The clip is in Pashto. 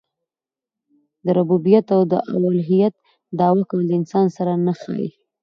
د ربوبیت او اولوهیت دعوه کول د انسان سره نه ښايي.